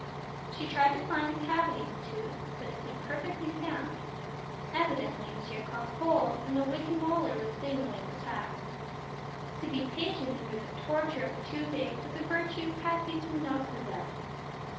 She tried to find a cavity in the tooth, but it seemed perfectly sound. Evidently she had caught cold and the wicked molar was signaling the fact. To be patient under the torture of a toothache was a virtue Patsy did not possess.